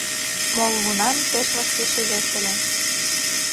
«Молыгунам пеш вашке шижеш ыле.